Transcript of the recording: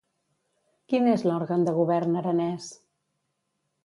Quin és l'òrgan de govern aranès?